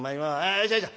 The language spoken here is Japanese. よっしゃよっしゃ。